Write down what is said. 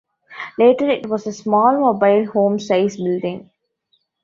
Later it was a small mobile home size building.